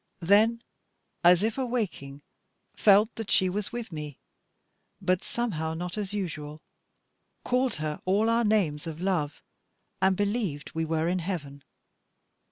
Then, as if awaking, felt that she was with me, but somehow not as usual; called her all our names of love, and believed we were in heaven.